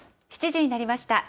７時になりました。